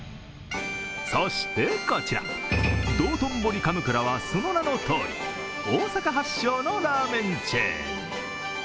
そしてこちら、どうとんぼり神座はその名のとおり大阪発祥のラーメンチェーン。